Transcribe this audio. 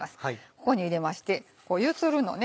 ここに入れまして揺するのね。